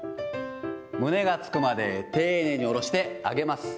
胸がつくまで丁寧におろして上げます。